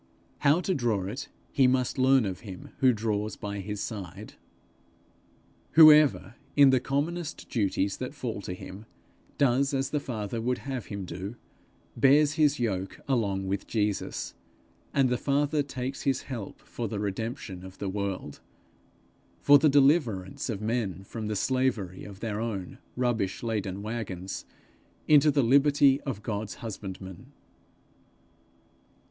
How to draw it, he must learn of him who draws by his side. Whoever, in the commonest duties that fall to him, does as the Father would have him do, bears His yoke along with Jesus; and the Father takes his help for the redemption of the world for the deliverance of men from the slavery of their own rubbish laden waggons, into the liberty of God's husbandmen.